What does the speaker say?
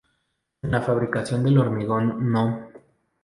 En la fabricación del hormigón no.